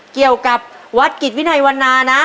เกี่ยวกับวัดกิจวินัยวันนานะ